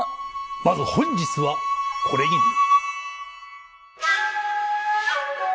まず本日はこれぎり。